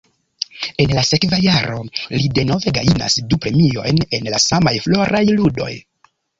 En la sekva jaro li denove gajnas du premiojn en la samaj Floraj Ludoj.